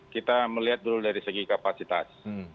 kita melihat dulu dari segi kapasitas